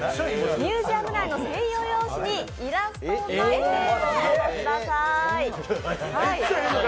ミュージアム内の専用用紙にイラストを描いてご応募ください。